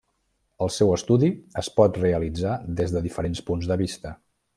El seu estudi es pot realitzar des de diferents punts de vista.